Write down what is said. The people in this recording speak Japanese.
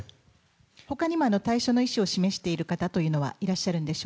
ほかにも退所の意思を示している方というのはいらっしゃるんでし